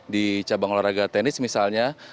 di cabang olahraga tenis misalnya